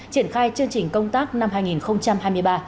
triển khai chương trình công tác năm hai nghìn hai mươi ba